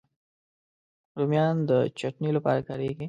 رومیان د چټني لپاره کارېږي